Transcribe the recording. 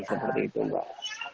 seperti itu mbak